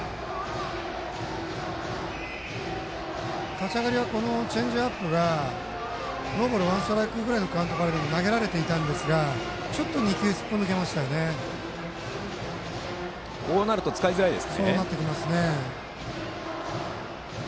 立ち上がりはチェンジアップがノーボールワンストライクぐらいのカウントからでも投げられていたんですがこうなると使いづらいですね。